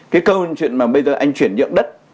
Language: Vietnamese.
cái câu chuyện mà bây giờ anh chuyển nhượng đất